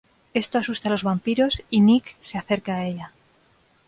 Esto asusta a los vampiros y Nick se acerca a ella.